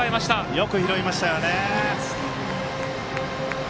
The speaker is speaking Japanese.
よく拾いましたよね。